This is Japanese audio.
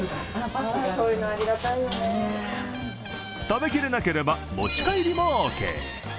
食べきれなければ持ち帰りもオーケー。